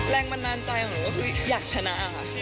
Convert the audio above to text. แรงบันดาลใจของหนูก็คืออยากชนะค่ะ